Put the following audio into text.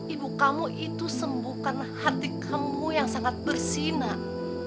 ibu kamu itu sembuhkan hati kamu yang sangat bersih nak